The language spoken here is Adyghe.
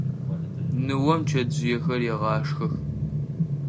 Ныом чэтжъыехэр егъашхэх.